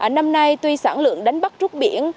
năm nay tuy sản lượng đánh bắt rút biển